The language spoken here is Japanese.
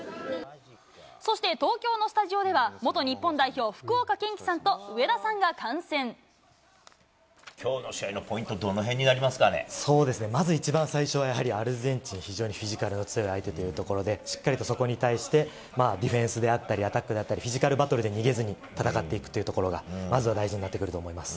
そして、東京のスタジオでは、元日本代表、きょうの試合のポイントはどそうですね、まず一番最初は、やはりアルゼンチン、非常にフィジカルの強い相手というところで、しっかりとそこにたいして、ディフェンスであったり、アタックであったり、フィジカルバトルで逃げずに戦っていくというところが、まずは大事になってくると思います。